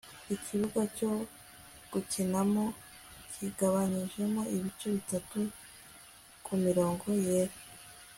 ikibuga cyo gukinamo kigabanyijemo ibice bitatu kumirongo yera